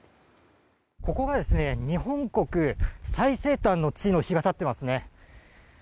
ここに日本国最西端の地の碑が立っていますね。